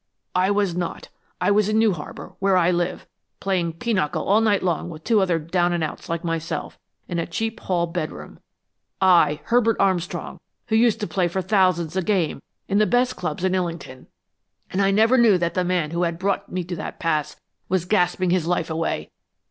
"I was not. I was in New Harbor, where I live, playing pinochle all night long with two other down and outs like myself, in a cheap hall bed room I, Herbert Armstrong, who used to play for thousands a game, in the best clubs in Illington! And I never knew that the man who had brought me to that pass was gasping his life away!